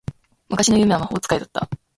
昔の夢は魔法使いだった